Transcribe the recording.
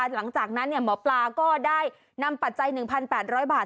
หลังจากนั้นหมอปลาก็ได้นำปัจจัย๑๘๐๐บาท